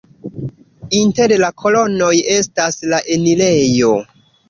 Inter la kolonoj estas la enirejo.